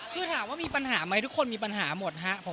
คือถามว่ามีปัญหาไหมทุกคนมีปัญหาหมดครับ